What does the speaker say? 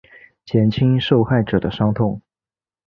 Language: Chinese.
减轻受害者的伤痛